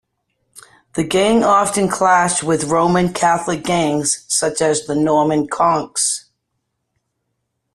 The gang often clashed with Roman Catholic gangs such as the Norman Conks.